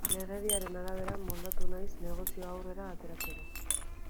Legediaren arabera moldatu naiz negozioa aurrera ateratzeko.